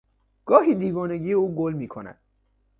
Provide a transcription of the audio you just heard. گاهی دیوانگی او گل میکند.